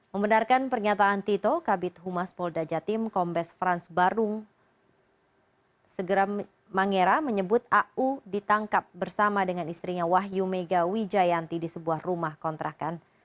membenarkan pernyataan tito kabit humas polda jatim kombes frans barung segera mangera menyebut au ditangkap bersama dengan istrinya wahyu mega wijayanti di sebuah rumah kontrakan